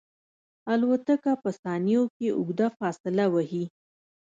الوتکه په ثانیو کې اوږده فاصله وهي.